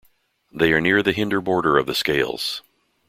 They are near the hinder border of the scales.